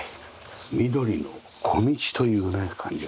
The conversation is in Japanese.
緑の小道というね感じがします。